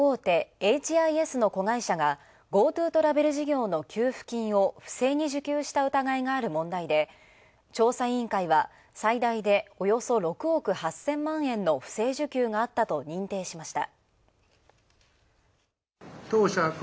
エイチ・アイ・エスの子会社が「ＧｏＴｏトラベル」事業の給付金を不正に受給した疑いがある問題で調査委員会は最大でおよそ６億８０００万円の不正受給があったと認定しました。